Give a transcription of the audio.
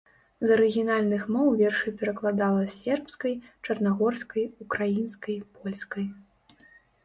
З арыгінальных моў вершы перакладала з сербскай, чарнагорскай, украінскай, польскай.